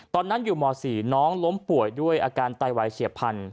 ตอนนั้นอยู่ม๔น้องล้มป่วยด้วยอาการไตวายเฉียบพันธ